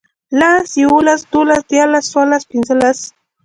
لس، يوولس، دوولس، ديارلس، څوارلس، پينځلس